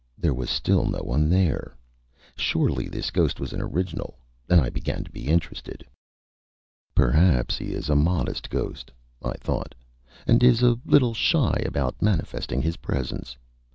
There was still no one there. Surely this ghost was an original, and I began to be interested. "Perhaps he is a modest ghost," I thought, "and is a little shy about manifesting his presence.